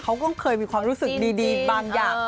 เขาก็เคยมีความรู้สึกดีบางอย่าง